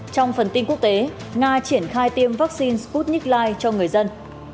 trong phần tin quốc tế nga triển khai tiêm vaccine sputnik v cho người dân